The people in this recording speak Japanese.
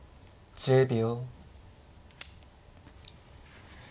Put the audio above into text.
１０秒。